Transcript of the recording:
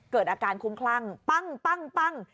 เกิดอาการคุ้มคลั่งปั้งปั้งปั้ง